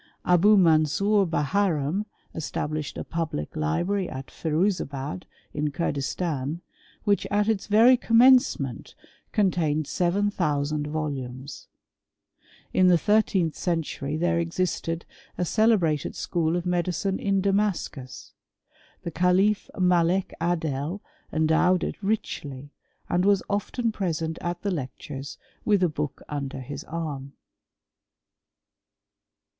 Abou Mansor Baharani, established a public library at Firuzabad in Curdistan, which at its very commencement contained 7000 volumes. In the thirteenth century there e:<isted a celebrated school of medicine in Damascus. The cahfMalek Adol endowed it richly, and was often present at the lectures with a book under his arm.